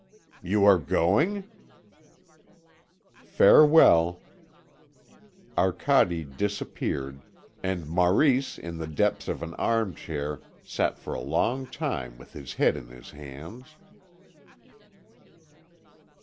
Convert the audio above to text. "You are going?" "Farewell." Arcade disappeared, and Maurice in the depths of an arm chair sat for a long time with his head in his hands.